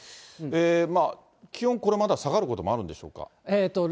気温、これまた下がることもあるんでしょうか。